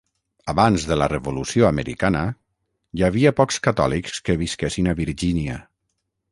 Abans de la Revolució Americana, hi havia pocs catòlics que visquessin a Virgínia.